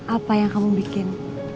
apa yang kamu bikin